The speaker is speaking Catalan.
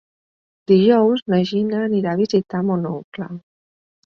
Dijous na Gina anirà a visitar mon oncle.